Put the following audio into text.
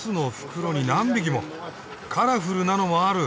カラフルなのもある。